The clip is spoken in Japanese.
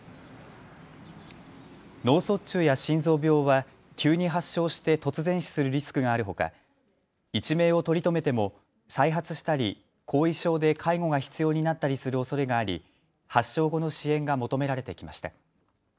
脳卒中や心臓病は急に発症して突然死するリスクがあるほか一命を取り留めても再発したり後遺症で介護が必要になったりするおそれがあり発症後の支援が求められてきました。